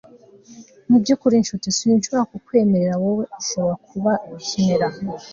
Mu byukuri nshuti sinshobora kukwemerera Wowe ushobora kubakenera